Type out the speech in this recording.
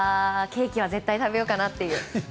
ケーキは絶対食べようかなという。